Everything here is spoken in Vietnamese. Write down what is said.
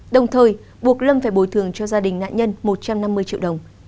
đồng thời buộc lâm phải bồi thường cho gia đình nạn nhân một trăm năm mươi triệu đồng